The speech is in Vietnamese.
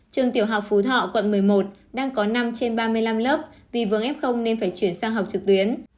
trường tiểu học phú thọ quận một mươi một đang có năm trên ba mươi năm lớp vì vướng f nên phải chuyển sang học trực tuyến